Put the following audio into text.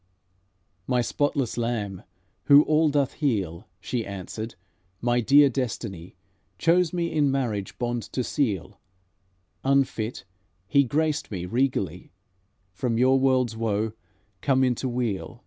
"My spotless Lamb, who all doth heal," She answered, "my dear Destiny, Chose me in marriage bond to seal; Unfit, He graced me regally, From your world's woe come into weal.